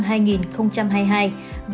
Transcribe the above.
về hệ thống y tế